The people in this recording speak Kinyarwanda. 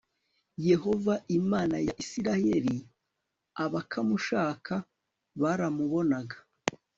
yehova imana ya isirayeli abakamushaka baramubonaga